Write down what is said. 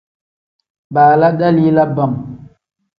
Baala dalila bam.